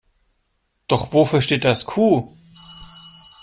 Doch wofür steht das Q?